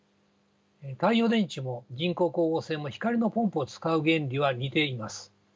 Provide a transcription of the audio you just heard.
太陽電池も人工光合成も光のポンプを使う原理は似ています。